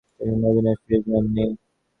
তিনি মদিনায় ফিরে যান নি।